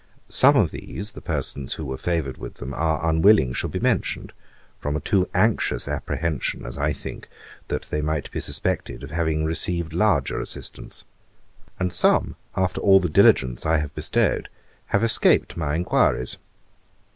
Some of these, the persons who were favoured with them are unwilling should be mentioned, from a too anxious apprehension, as I think, that they might be suspected of having received larger assistance; and some, after all the diligence I have bestowed, have escaped my enquiries.